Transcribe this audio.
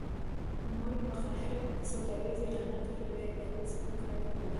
نوموړی په قاهره کې د سوداګریزو اعلاناتو له یوې ادارې سره کار کوي.